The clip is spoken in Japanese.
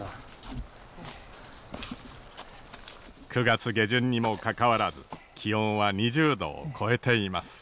９月下旬にもかかわらず気温は２０度を超えています。